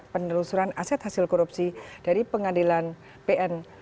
penelusuran aset hasil korupsi dari pengadilan pn